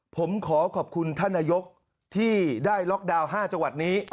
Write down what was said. ผมขอขอบคุณท่านนายกที่ได้ล็อกดาวน์๕จังหวัดนี้